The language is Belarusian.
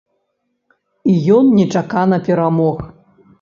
І ён нечакана перамог.